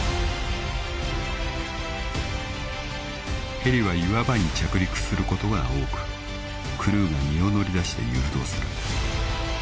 ［ヘリは岩場に着陸することが多くクルーが身を乗り出して誘導する］